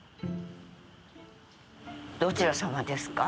どちらさまですか？